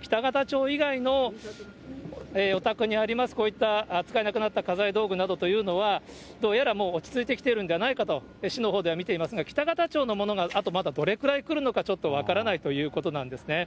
北方町以外のお宅にあります、こういった使えなくなった家財道具などというのは、どうやらもう落ち着いてきているのではないかと、市のほうでは見ていますが、北方町のものがあとまだどれくらい来るのかちょっとまだ分からないということなんですね。